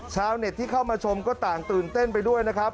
ชาวเน็ตที่เข้ามาชมก็ต่างตื่นเต้นไปด้วยนะครับ